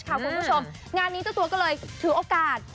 คุณผู้ชมงานนี้เจ้าตัวก็เลยถือโอกาส